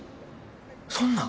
そんな。